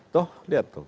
tuh lihat tuh